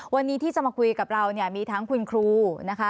วันนี้ที่จะมาคุยกับเราเนี่ยมีทั้งคุณครูนะคะ